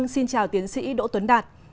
xin chào tiến sĩ đỗ tuấn đạt